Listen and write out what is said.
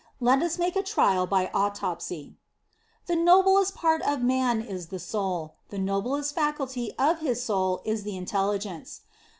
Let us make a trial by autopsy. The noblest part of man is the soul; the noblest faculty of his soul is the intelligence.